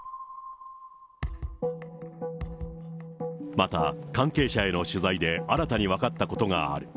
また関係者への取材で新たに分かったことがある。